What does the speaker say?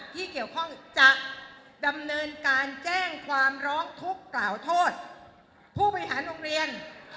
ที่เกี่ยวข้องจะดำเนินการแจ้งความร้องทุกข์กล่าวโทษผู้บริหารโรงเรียน